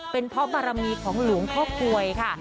เป็นเพราะบารมีของหลวงพ่อกลวยค่ะ